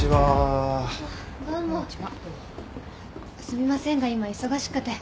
すみませんが今忙しくて。